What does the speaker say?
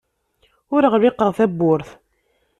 Ur ɣliqeɣ tawwurt.